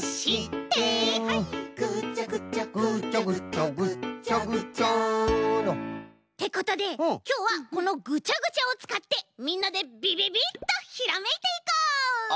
「ぐちゃぐちゃぐちゃぐちゃぐっちゃぐちゃ」てことできょうはこのぐちゃぐちゃをつかってみんなでビビビッとひらめいていこう！